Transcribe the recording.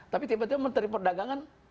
tapi tiba tiba menteri perdagangan